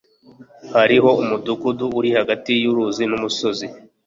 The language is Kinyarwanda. Hariho umudugudu uri hagati yuruzi numusozi.